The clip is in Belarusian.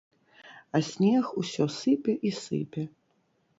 А снег усё сыпе і сыпе.